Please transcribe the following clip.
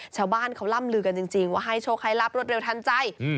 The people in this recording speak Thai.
ชาวบ้านเขาล่ำลือกันจริงว่าให้โชคให้รับรวดเร็วทันใจ